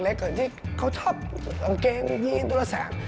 เกี่ยวกับที่เขาเทาะวงเกงเยี้ยนตัวแสง